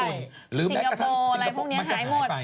สิงคโปร์อะไรพวกนี้มันจะหายไป